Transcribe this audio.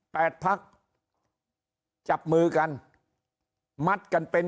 แปดพักจับมือกันมัดกันเป็น